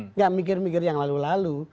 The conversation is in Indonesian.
nggak mikir mikir yang lalu lalu